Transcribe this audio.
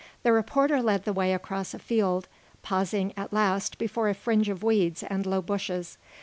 The reporter led the way across a field, pausing at last before a fringe of weeds and low bushes.